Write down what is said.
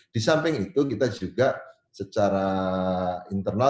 di samping itu kita juga secara internal